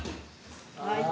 はい。